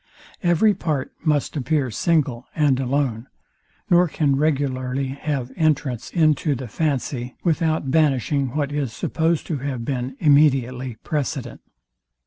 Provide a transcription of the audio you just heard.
Every part must appear single and alone, nor can regularly have entrance into the fancy without banishing what is supposed to have been immediately precedent.